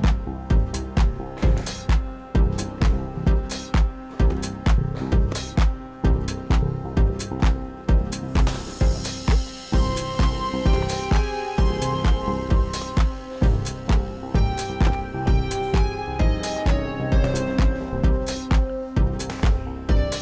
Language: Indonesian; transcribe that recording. terima kasih bang